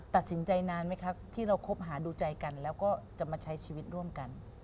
ตัดสินใจนานไหมครับที่เราคบหาดูใจกันแล้วก็จะมาใช้ชีวิตร่วมกัน